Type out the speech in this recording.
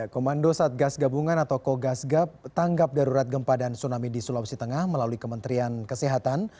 komando satgas gabungan atau kogasgab tanggap darurat gempa dan tsunami di sulawesi tengah melalui kementerian kesehatan